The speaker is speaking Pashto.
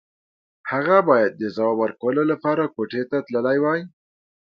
هغه بايد د ځواب ورکولو لپاره کوټې ته تللی وای.